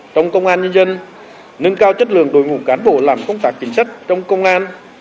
trong công an nhân dân nâng cao chất lượng đội ngũ cán bộ làm công tác chính sách trong công an